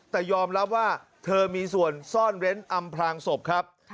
แต่ยอมรับว่าเธอมีส่วนซ่อนเว้นอำพลางศพครับ